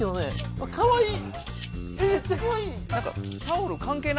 あかわいい。